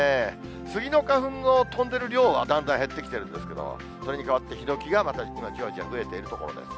スギの花粉の飛んでいる量はだんだん減ってきてるんですけど、それに代わってヒノキがまたじわじわ増えているところです。